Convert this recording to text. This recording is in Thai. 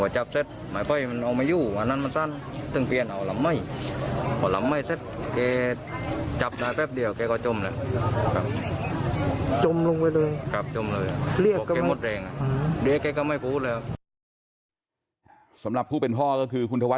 จับหน่าแป๊บเดียวเขาก็จมเลย